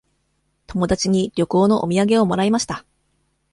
友達に旅行のお土産をもらいました。